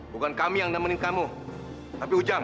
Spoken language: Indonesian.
bukan kami yang nemenin kamu tapi ujang